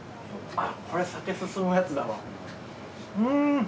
あっこれ酒進むやつだわ。